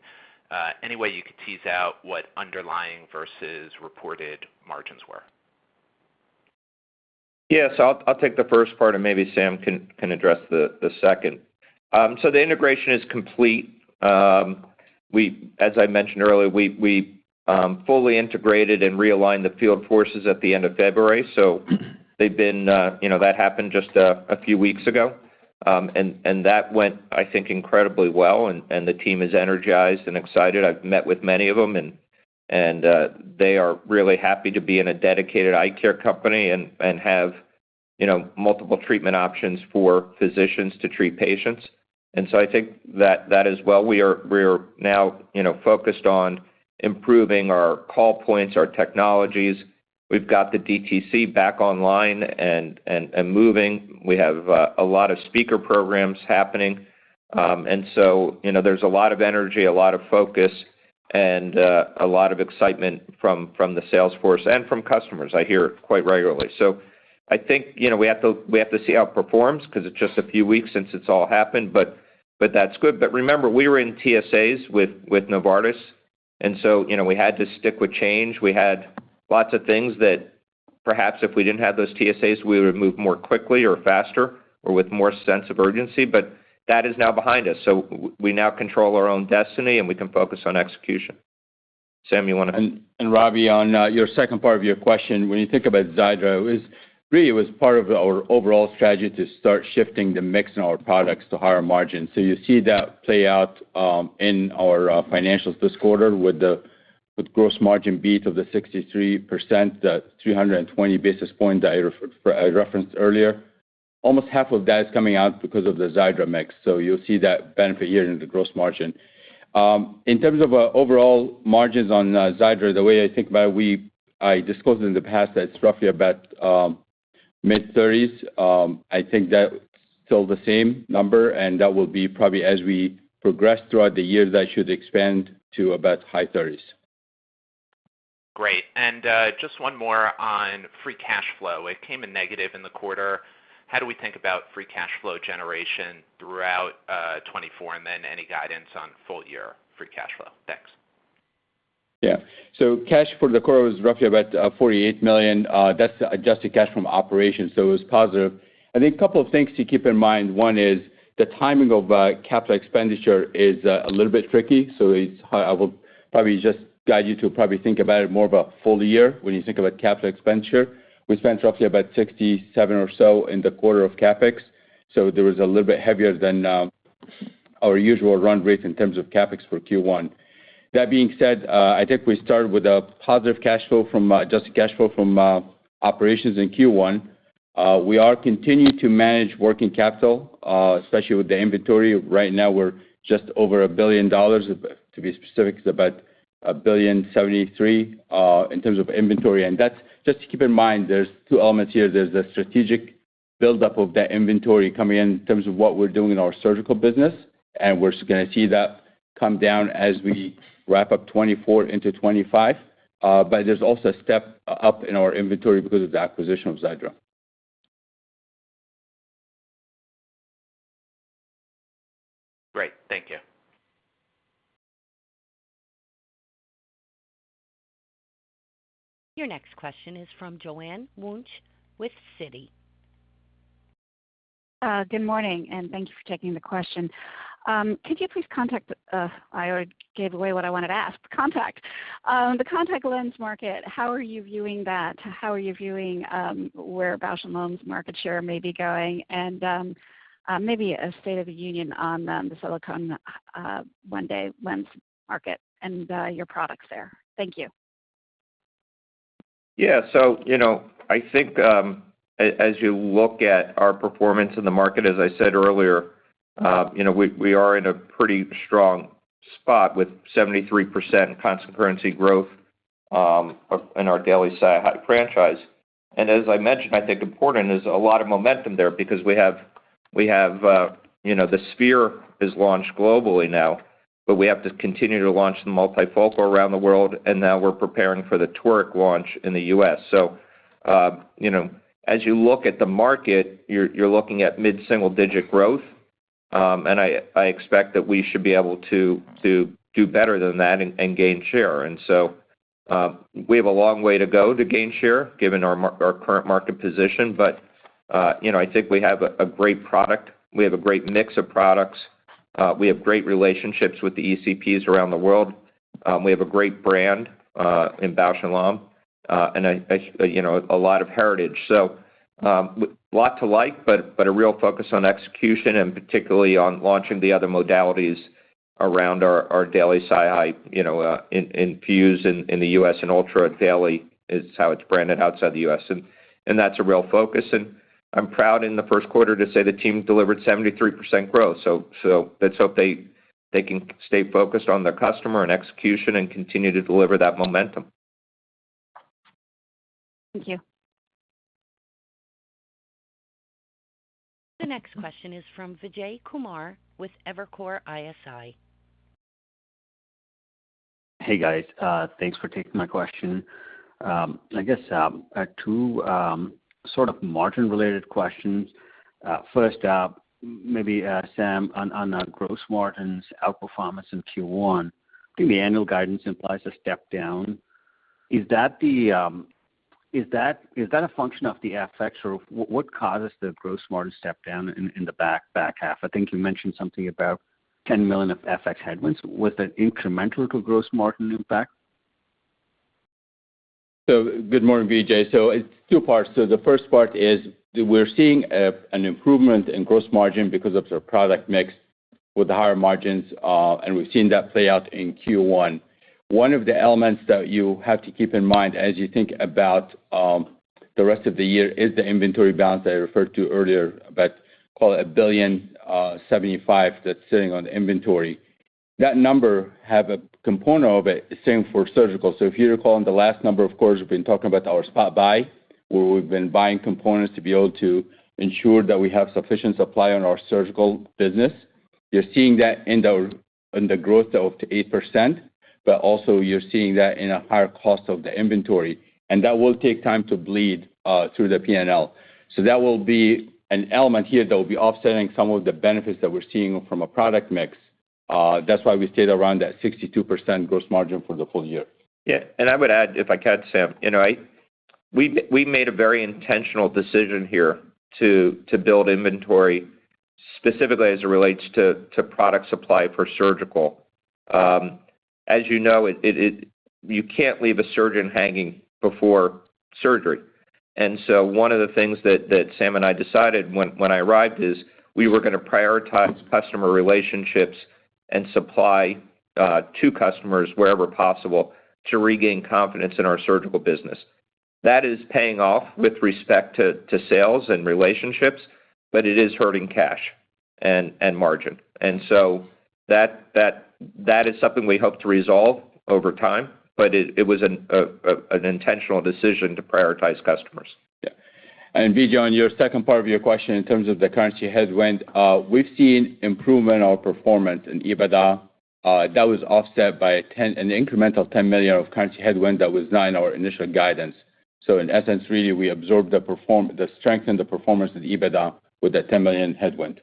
[SPEAKER 8] any way you could tease out what underlying versus reported margins were?
[SPEAKER 3] Yes, I'll take the first part, and maybe Sam can address the second. So the integration is complete. As I mentioned earlier, we fully integrated and realigned the field forces at the end of February. So they've been, you know, that happened just a few weeks ago. And that went, I think, incredibly well, and the team is energized and excited. I've met with many of them, and they are really happy to be in a dedicated eye care company and have, you know, multiple treatment options for physicians to treat patients. And so I think that is well. We are now, you know, focused on improving our call points, our technologies. We've got the DTC back online and moving. We have a lot of speaker programs happening. And so, you know, there's a lot of energy, a lot of focus, and a lot of excitement from the salesforce and from customers. I hear it quite regularly. So I think, you know, we have to, we have to see how it performs because it's just a few weeks since it's all happened, but that's good. But remember, we were in TSAs with Novartis, and so, you know, we had to stick with Change Healthcare. We had lots of things that perhaps if we didn't have those TSAs, we would move more quickly or faster or with more sense of urgency, but that is now behind us. So we now control our own destiny, and we can focus on execution. Sam, you want to-
[SPEAKER 4] Robbie, on your second part of your question, when you think about Xiidra, it was really part of our overall strategy to start shifting the mix in our products to higher margins. So you see that play out in our financials this quarter with the gross margin beat of the 63%, the 320 basis points I referenced earlier. Almost half of that is coming out because of the Xiidra mix, so you'll see that benefit here in the gross margin. In terms of overall margins on Xiidra, the way I think about it, I disclosed in the past that it's roughly about mid-30s. I think that's still the same number, and that will be probably as we progress throughout the year, that should expand to about high 30s.
[SPEAKER 8] Great. Just one more on free cash flow. It came in negative in the quarter. How do we think about free cash flow generation throughout 2024, and then any guidance on full-year free cash flow? Thanks.
[SPEAKER 4] Yeah. So cash for the quarter was roughly about $48 million. That's adjusted cash from operations, so it was positive. I think a couple of things to keep in mind, one is the timing of capital expenditure is a little bit tricky. So it's. I will probably just guide you to probably think about it more of a full-year when you think about capital expenditure. We spent roughly about 67 or so in the quarter of CapEx, so there was a little bit heavier than our usual run rate in terms of CapEx for Q1. That being said, I think we started with a positive cash flow from adjusted cash flow from operations in Q1. We are continuing to manage working capital, especially with the inventory. Right now, we're just over $1 billion. To be specific, it's about $1.073 billion in terms of inventory. That's just to keep in mind, there's two elements here. There's the strategic buildup of that inventory coming in in terms of what we're doing in our surgical business, and we're just gonna see that come down as we wrap up 2024 into 2025. But there's also a step up in our inventory because of the acquisition of Xiidra.
[SPEAKER 8] Great. Thank you.
[SPEAKER 1] Your next question is from Joanne Wuensch with Citi.
[SPEAKER 9] Good morning, and thank you for taking the question. Could you please contact, I already gave away what I wanted to ask. Contact. The contact lens market, how are you viewing that? How are you viewing where Bausch + Lomb's market share may be going? And maybe a state of the union on the silicone one-day lens market and your products there. Thank you.
[SPEAKER 3] Yeah. So, you know, I think, as, as you look at our performance in the market, as I said earlier, you know, we, we are in a pretty strong spot with 73% constant currency growth, in our daily franchise. And as I mentioned, I think important, there's a lot of momentum there because we have, we have, you know, the Sphere is launched globally now, but we have to continue to launch the multifocal around the world, and now we're preparing for the Toric launch in the US. So, you know, as you look at the market, you're, you're looking at mid-single-digit growth, and I, I expect that we should be able to, to do better than that and, and gain share. And so, we have a long way to go to gain share, given our current market position, but, you know, I think we have a great product. We have a great mix of products. We have great relationships with the ECPs around the world. We have a great brand in Bausch + Lomb, and a, you know, a lot of heritage. So, lot to like, but a real focus on execution, and particularly on launching the other modalities around our daily SiHy, you know, in INFUSE in the US, and ULTRA daily is how it's branded outside the US. And that's a real focus, and I'm proud in the first quarter to say the team delivered 73% growth. So let's hope they can stay focused on the customer and execution and continue to deliver that momentum.
[SPEAKER 1] Thank you. The next question is from Vijay Kumar with Evercore ISI.
[SPEAKER 10] Hey, guys, thanks for taking my question. I guess, I have two, sort of margin-related questions. First, maybe, Sam, on, on, gross margins outperformance in Q1, I think the annual guidance implies a step down. Is that the, is that, is that a function of the FX, or what caused the gross margin step down in, in the back, back half? I think you mentioned something about $10 million of FX headwinds. Was it incremental to gross margin impact?
[SPEAKER 4] So good morning, Vijay. So it's two parts. So the first part is, we're seeing an improvement in gross margin because of the product mix with the higher margins, and we've seen that play out in Q1. One of the elements that you have to keep in mind as you think about the rest of the year is the inventory balance that I referred to earlier, about call it $1.075 billion, that's sitting on the inventory. That number have a component of it, the same for surgical. So if you recall, in the last number, of course, we've been talking about our spot buy, where we've been buying components to be able to ensure that we have sufficient supply on our surgical business. You're seeing that in the growth of 8%, but also you're seeing that in a higher cost of the inventory, and that will take time to bleed through the P&L. So that will be an element here that will be offsetting some of the benefits that we're seeing from a product mix. That's why we stayed around that 62% gross margin for the full-year.
[SPEAKER 3] Yeah, and I would add, if I could, Sam, you know, we, we made a very intentional decision here to build inventory, specifically as it relates to product supply for surgical. As you know, it, you can't leave a surgeon hanging before surgery. And so one of the things that Sam and I decided when I arrived is, we were gonna prioritize customer relationships and supply to customers wherever possible to regain confidence in our surgical business. That is paying off with respect to sales and relationships, but it is hurting cash and margin. And so that is something we hope to resolve over time, but it was an intentional decision to prioritize customers.
[SPEAKER 4] Yeah. And Vijay, on your second part of your question, in terms of the currency headwind, we've seen improvement on performance in EBITDA, that was offset by an incremental $10 million of currency headwind that was not in our initial guidance. So in essence, really, we absorbed the strength in the performance of EBITDA with a $10 million headwind.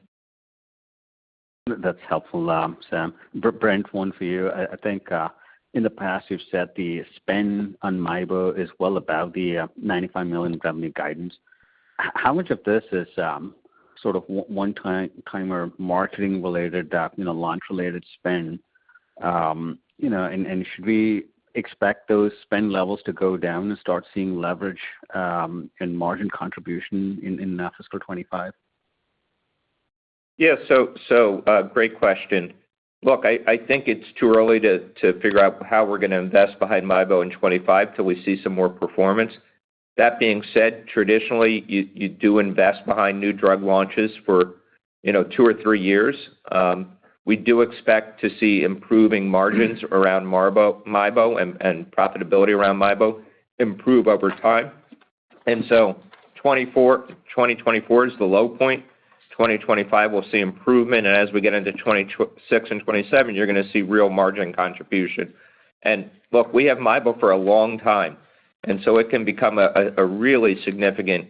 [SPEAKER 10] That's helpful, Sam. Brent, one for you. I think in the past, you've said the spend on MIEBO is well above the $95 million revenue guidance. How much of this is sort of one-time marketing related, you know, launch related spend, you know, and should we expect those spend levels to go down and start seeing leverage and margin contribution in fiscal 2025?
[SPEAKER 3] Yeah, so, great question. Look, I think it's too early to figure out how we're gonna invest behind MIEBO in 2025 till we see some more performance. That being said, traditionally, you do invest behind new drug launches for, you know, two or three years. We do expect to see improving margins around MIEBO and profitability around MIEBO improve over time. And so 2024 is the low point. 2025, we'll see improvement, and as we get into 2026 and 2027, you're gonna see real margin contribution. And look, we have MIEBO for a long time, and so it can become a really significant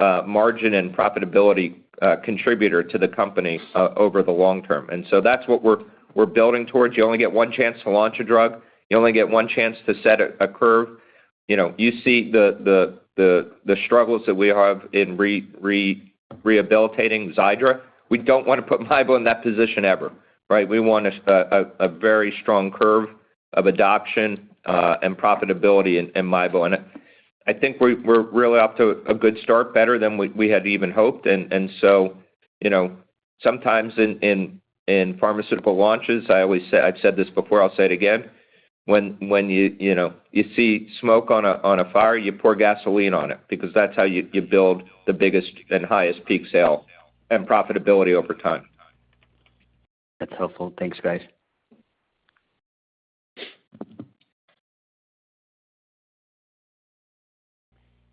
[SPEAKER 3] margin and profitability contributor to the company over the long term. And so that's what we're building towards. You only get one chance to launch a drug. You only get one chance to set a curve. You know, you see the struggles that we have in rehabilitating Xiidra. We don't want to put MIEBO in that position ever, right? We want a very strong curve of adoption and profitability in MIEBO. And I think we're really off to a good start, better than we had even hoped. And so, you know, sometimes in pharmaceutical launches, I always say... I've said this before, I'll say it again: when you know you see smoke on a fire, you pour gasoline on it, because that's how you build the biggest and highest peak sale and profitability over time.
[SPEAKER 10] That's helpful. Thanks, guys.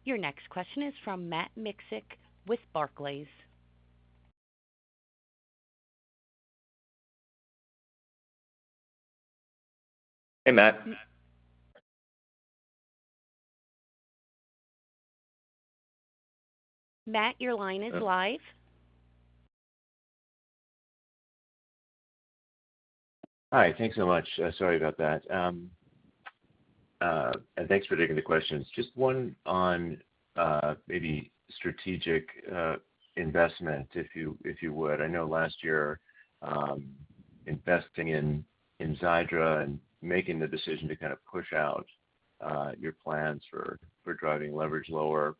[SPEAKER 1] Your next question is from Matt Miksic with Barclays.
[SPEAKER 3] Hey, Matt.
[SPEAKER 1] Matt, your line is live.
[SPEAKER 11] Hi, thanks so much. Sorry about that, and thanks for taking the questions. Just one on, maybe strategic, investment, if you, if you would. I know last year, investing in, in Xiidra and making the decision to kind of push out, your plans for, for driving leverage lower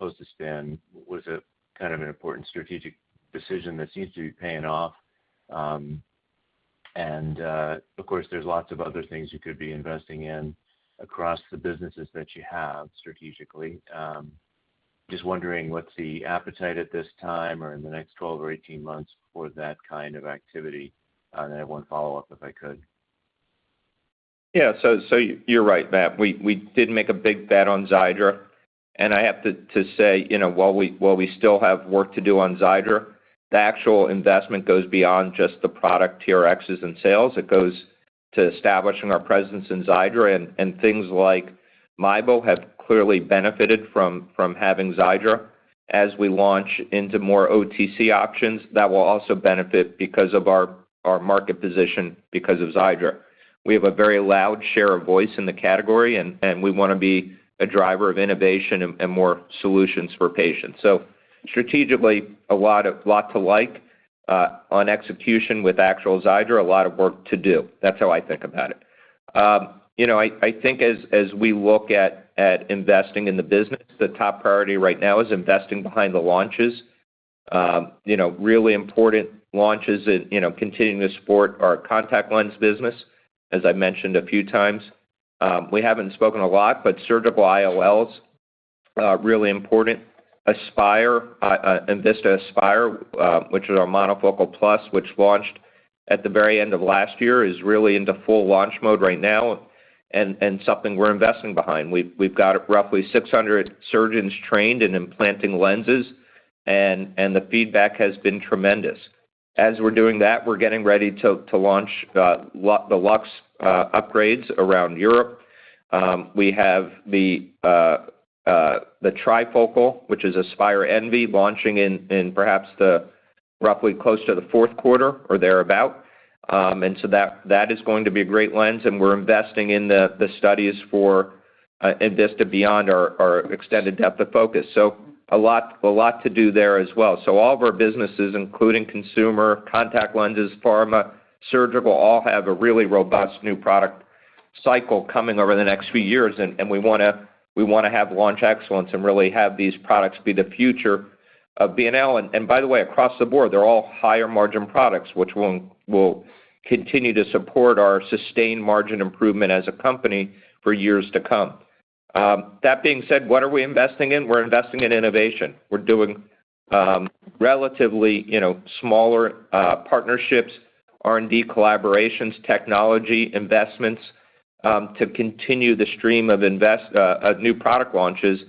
[SPEAKER 11] post the spin, was a kind of an important strategic decision that seems to be paying off. And, of course, there's lots of other things you could be investing in across the businesses that you have strategically. Just wondering, what's the appetite at this time or in the next 12 or 18 months for that kind of activity? And I have one follow-up, if I could.
[SPEAKER 3] Yeah, so you're right, Matt. We did make a big bet on Xiidra, and I have to say, you know, while we still have work to do on Xiidra, the actual investment goes beyond just the product TRXs and sales. It goes to establishing our presence in Xiidra, and things like MIEBO have clearly benefited from having Xiidra. As we launch into more OTC options, that will also benefit because of our market position, because of Xiidra. We have a very loud share of voice in the category, and we want to be a driver of innovation and more solutions for patients. So strategically, a lot to like on execution with actual Xiidra, a lot of work to do. That's how I think about it. You know, I, I think as, as we look at, at investing in the business, the top priority right now is investing behind the launches. You know, really important launches and, you know, continuing to support our contact lens business. As I mentioned a few times, we haven't spoken a lot, but surgical IOLs are really important. enVista Aspire, which is our monofocal plus, which launched at the very end of last year, is really into full launch mode right now, and something we're investing behind. We've, we've got roughly 600 surgeons trained in implanting lenses, and the feedback has been tremendous. As we're doing that, we're getting ready to launch the Lux upgrades around Europe. We have the trifocal, which is enVista Envy, launching in perhaps roughly close to the fourth quarter or thereabout. And so that is going to be a great lens, and we're investing in the studies for enVista Beyond, our extended depth of focus. So a lot to do there as well. So all of our businesses, including consumer, contact lenses, pharma, surgical, all have a really robust new product cycle coming over the next few years, and we wanna have launch excellence and really have these products be the future of B&L. And by the way, across the board, they're all higher margin products, which will continue to support our sustained margin improvement as a company for years to come. That being said, what are we investing in? We're investing in innovation. We're doing relatively, you know, smaller partnerships, R&D collaborations, technology investments to continue the stream of new product launches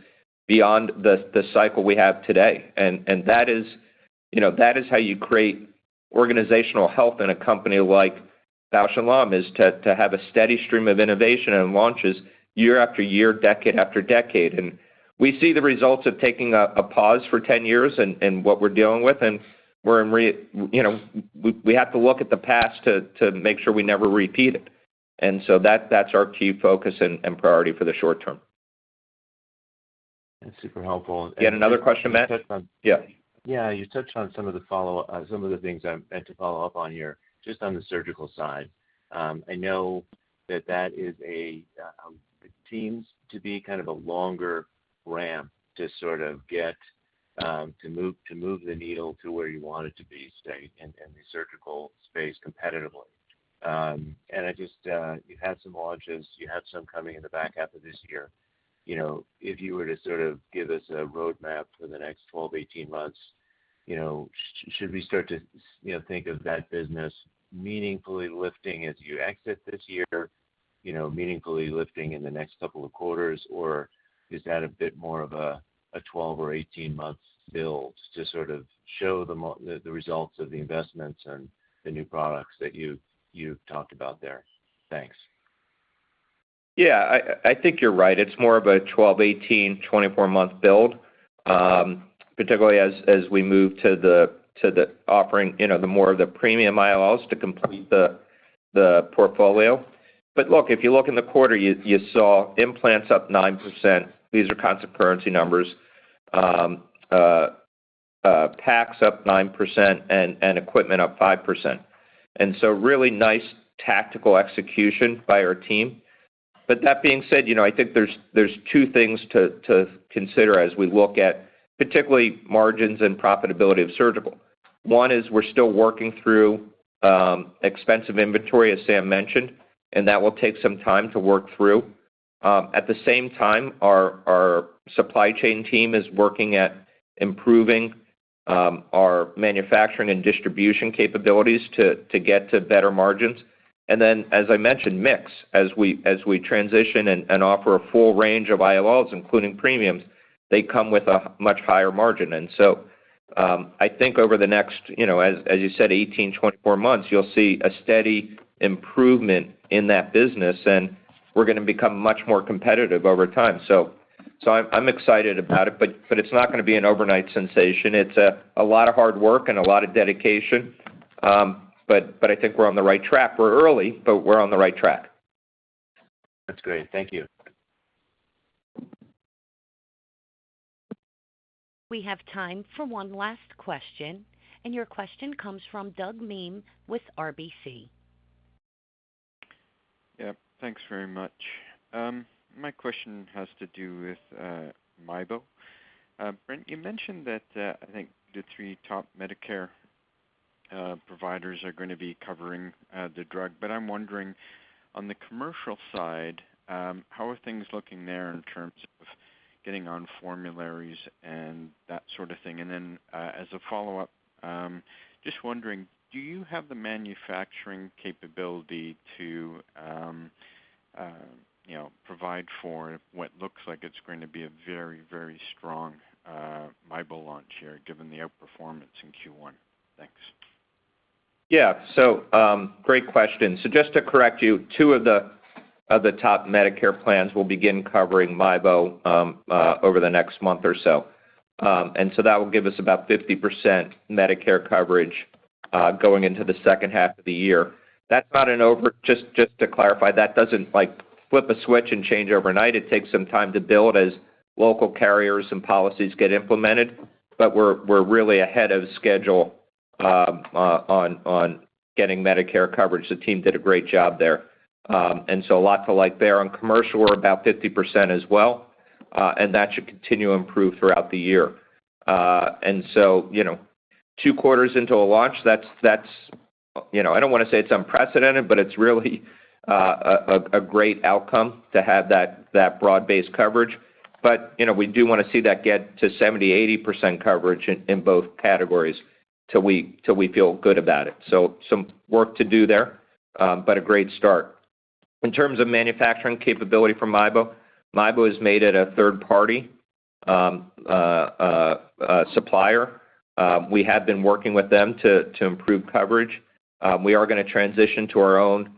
[SPEAKER 3] beyond the cycle we have today. And that is, you know, that is how you create organizational health in a company like Bausch + Lomb, is to have a steady stream of innovation and launches year after year, decade after decade. And we see the results of taking a pause for 10 years and what we're dealing with, and we're in, you know, we have to look at the past to make sure we never repeat it. And so that's our key focus and priority for the short term.
[SPEAKER 11] That's super helpful.
[SPEAKER 3] You had another question, Matt? Yeah.
[SPEAKER 11] Yeah. You touched on some of the follow-up, some of the things I'm meant to follow up on here, just on the surgical side. I know that that is a, it seems to be kind of a longer ramp to sort of get, to move the needle to where you want it to be, say, in, in the surgical space competitively. And I just, you've had some launches, you have some coming in the back half of this year. You know, if you were to sort of give us a roadmap for the next 12, 18 months, you know, should we start to, you know, think of that business meaningfully lifting as you exit this year, you know, meaningfully lifting in the next couple of quarters? Or is that a bit more of a 12- or 18-month build to sort of show the results of the investments and the new products that you've talked about there? Thanks.
[SPEAKER 3] Yeah, I think you're right. It's more of a 12, 18, 24-month build, particularly as we move to the offering, you know, the more of the premium IOLs to complete the portfolio. But look, if you look in the quarter, you saw implants up 9%. These are constant currency numbers. Packs up 9% and equipment up 5%. And so really nice tactical execution by our team. But that being said, you know, I think there's two things to consider as we look at particularly margins and profitability of surgical. One is we're still working through expensive inventory, as Sam mentioned, and that will take some time to work through. At the same time, our supply chain team is working at improving our manufacturing and distribution capabilities to get to better margins. And then, as I mentioned, mix. As we transition and offer a full range of IOLs, including premiums, they come with a much higher margin. And so, I think over the next, you know, as you said, 18-24 months, you'll see a steady improvement in that business, and we're gonna become much more competitive over time. So I'm excited about it, but it's not gonna be an overnight sensation. It's a lot of hard work and a lot of dedication. But I think we're on the right track. We're early, but we're on the right track. That's great. Thank you.
[SPEAKER 1] We have time for one last question, and your question comes from Doug Miehm with RBC.
[SPEAKER 12] Yeah, thanks very much. My question has to do with MIEBO. Brent, you mentioned that I think the three top Medicare providers are gonna be covering the drug. But I'm wondering, on the commercial side, how are things looking there in terms of getting on formularies and that sort of thing? And then, as a follow-up, just wondering, do you have the manufacturing capability to, you know, provide for what looks like it's going to be a very, very strong MIEBO launch here, given the outperformance in Q1? Thanks.
[SPEAKER 3] Yeah. So, great question. So just to correct you, two of the top Medicare plans will begin covering MIEBO over the next month or so. And so that will give us about 50% Medicare coverage going into the second half of the year. That's not an overnight—just to clarify, that doesn't, like, flip a switch and change overnight. It takes some time to build as local carriers and policies get implemented, but we're really ahead of schedule on getting Medicare coverage. The team did a great job there. And so a lot to like there. On commercial, we're about 50% as well, and that should continue to improve throughout the year. And so, you know, two quarters into a launch, that's, that's, you know, I don't wanna say it's unprecedented, but it's really a great outcome to have that broad-based coverage. But, you know, we do wanna see that get to 70%-80% coverage in both categories till we feel good about it. So some work to do there, but a great start. In terms of manufacturing capability for MIEBO, MIEBO is made it a third-party supplier. We have been working with them to improve coverage. We are gonna transition to our own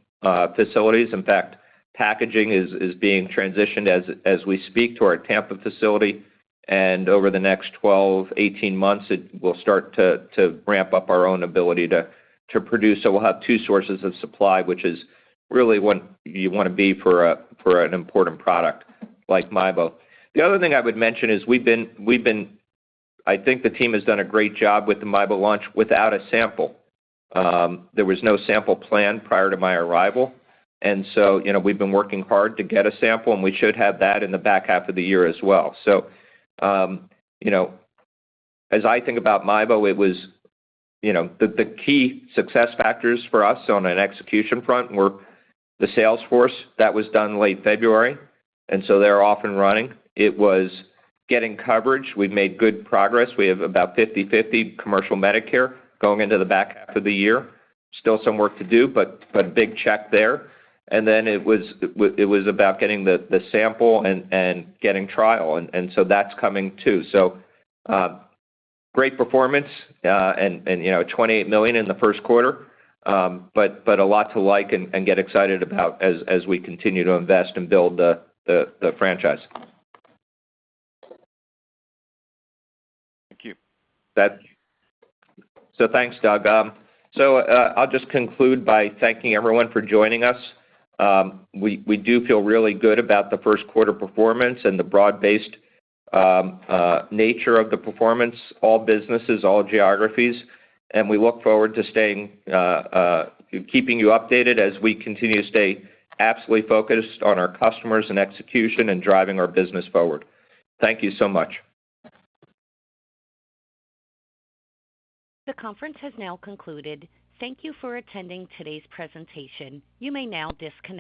[SPEAKER 3] facilities. In fact, packaging is being transitioned as we speak to our Tampa facility, and over the next 12-18 months, it will start to ramp up our own ability to produce. So we'll have two sources of supply, which is really what you wanna be for a, for an important product like MIEBO. The other thing I would mention is we've been -- I think the team has done a great job with the MIEBO launch without a sample. There was no sample plan prior to my arrival, and so, you know, we've been working hard to get a sample, and we should have that in the back half of the year as well. So, you know, as I think about MIEBO, it was, you know, the key success factors for us on an execution front were the sales force. That was done late February, and so they're off and running. It was getting coverage. We've made good progress. We have about 50/50 commercial Medicare going into the back half of the year. Still some work to do, but a big check there. And then it was about getting the sample and getting trial, and so that's coming, too. So, great performance, and you know, $28 million in the first quarter, but a lot to like and get excited about as we continue to invest and build the franchise.
[SPEAKER 12] Thank you.
[SPEAKER 3] So thanks, Doug. I'll just conclude by thanking everyone for joining us. We, we do feel really good about the first quarter performance and the broad-based nature of the performance, all businesses, all geographies. We look forward to staying, keeping you updated as we continue to stay absolutely focused on our customers and execution and driving our business forward. Thank you so much.
[SPEAKER 1] The conference has now concluded. Thank you for attending today's presentation. You may now disconnect.